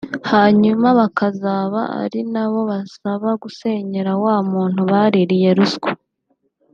hanyuma bakazaba ari na bo basaba gusenyera wa muntu baririye ruswa